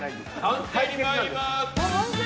判定に参ります。